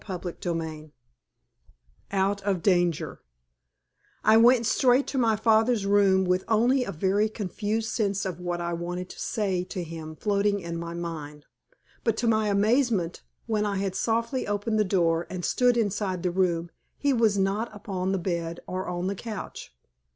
CHAPTER XXI OUT OF DANGER I went straight to my father's room, with only a very confused sense of what I wanted to say to him floating in my mind. But to my amazement, when I had softly opened the door and stood inside the room, he was not upon the bed, or on the couch.